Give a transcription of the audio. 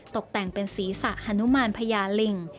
ตกแต่งเป็นศีรษะฮานุมานพญาลิง